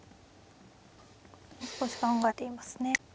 少し考えていますね。